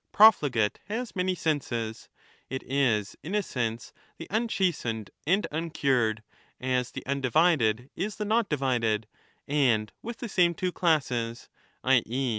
' Profligate ' has ^ many senses.^ It is, in a senseT^the unchastened and uncured, as the undivided is the not divided, and with the 1230'' same two classes, i. e.